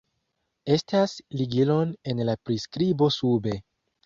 Estas ligilon en la priskribo sube